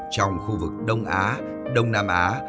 trong khu vực đông á đông nam á